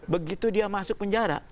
begitu dia masuk penjara